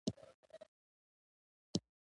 موزیک د یار له سترګو الهام اخلي.